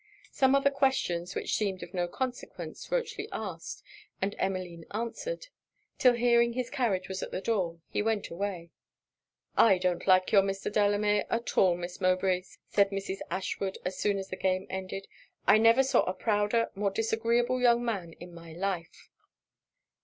Some other questions, which seemed of no consequence, Rochely asked, and Emmeline answered; 'till hearing his carriage was at the door, he went away. 'I don't like your Mr. Delamere at all, Miss Mowbray,' said Mrs. Ashwood, as soon as the game ended. 'I never saw a prouder, more disagreeable young man in my life.'